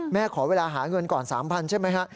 แม่ขอเวลาหาเงินก่อน๓๐๐๐บาทใช่ไหมฮะ